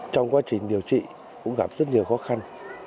trong quá trình điều trị cũng gặp rất nhiều khó khăn